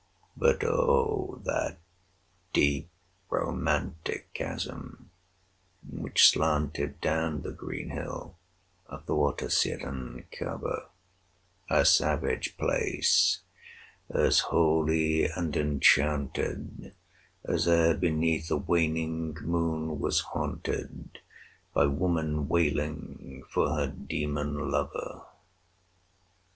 But oh! that deep romantic chasm which slanted Down the green hill athwart a cedarn cover! A savage place! as holy and enchanted As e'er beneath a waning moon was haunted 15 By woman wailing for her demon lover!